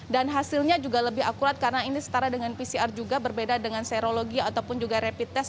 dan hasilnya juga lebih akurat karena ini setara dengan pcr juga berbeda dengan serologi ataupun juga rapid test